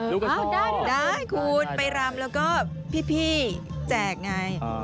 ได้เหรอได้คุณไปรำแล้วก็พี่แจกไง